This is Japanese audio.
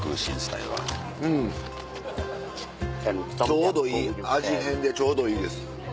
ちょうどいい味変でちょうどいいです。